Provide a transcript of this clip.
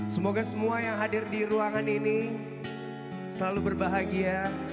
semoga semua yang hadir di ruangan ini selalu berbahagia